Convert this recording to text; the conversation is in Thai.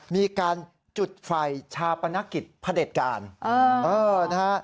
มีการจุดไฟชาปนักกิจผเด็ดการณ์